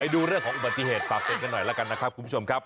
ดูเรื่องของอุบัติเหตุฝากเตือนกันหน่อยแล้วกันนะครับคุณผู้ชมครับ